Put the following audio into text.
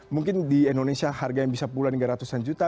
mungkin di indonesia harga yang bisa puluhan ratusan juta